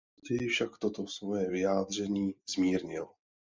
Později však toto svoje vyjádření zmírnil.